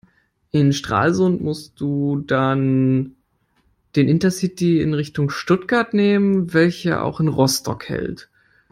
In Stralsund musst du dann den Intercity in Richtung Stuttgart nehmen, welcher auch in Rostock hält.